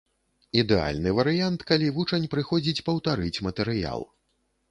Ідэальны варыянт, калі вучань прыходзіць паўтарыць матэрыял.